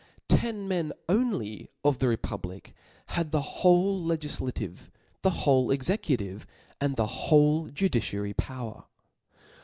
Ten men only of the republic had the whole legiflative, the whole .executive, and the whole judiciary power.